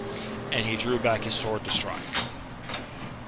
And he drew back his sword to strike.